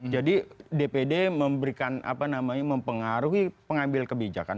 jadi dpd memberikan apa namanya mempengaruhi pengambil kebijakan